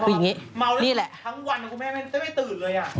คือกินง่ายแบบแต่พอเมาทั้งวันคุณแม่ไม่ได้ไปตื่นเลย